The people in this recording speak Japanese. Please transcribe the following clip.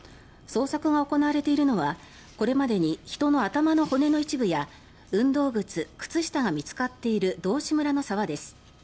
捜索が行われているのはこれまでに人の頭の骨の一部や運動靴、靴下が見つかっている道志村の沢です。